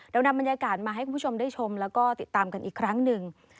นำบรรยากาศมาให้คุณผู้ชมได้ชมแล้วก็ติดตามกันอีกครั้งหนึ่ง